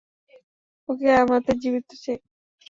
ওকে আমাদের জীবিত চাই।